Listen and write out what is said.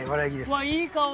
うわっいい香り！